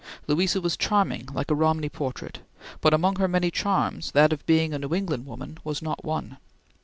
Louisa was charming, like a Romney portrait, but among her many charms that of being a New England woman was not one.